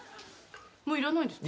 もういらないんですか？